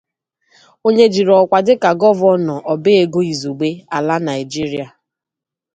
onye jiri ọkwa dịka Gọvanọ ọba ego izugbe ala Nigeria